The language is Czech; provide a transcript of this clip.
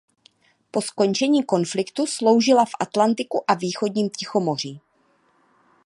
Po skončení konfliktu sloužila v Atlantiku a východním Tichomoří.